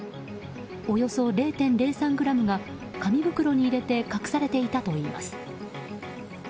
およそ０．０３ｇが紙袋に入れて隠されていたといいます。